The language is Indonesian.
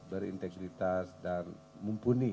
berintegritas dan mumpuni